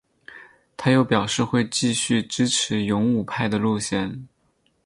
他又表示会继续支持勇武派的路线。